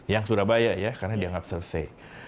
yang surabaya ya karena dianggap selesai